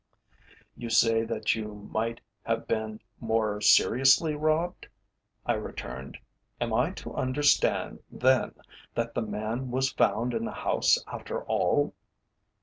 "You say that you might have been 'more seriously robbed'?" I returned. "Am I to understand, then, that the man was found in the house after all?"